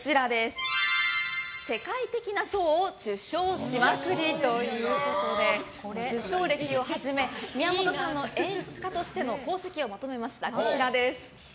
世界的な賞を受賞しまくりということで受賞歴をはじめ宮本さんの演出家としての功績をまとめました。